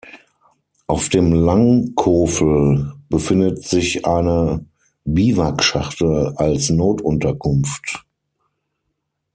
Auf dem Langkofel befindet sich eine Biwakschachtel als Notunterkunft.